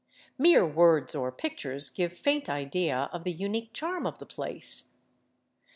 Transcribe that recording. Mere words or pictures give faint idea of the unique charm of the place.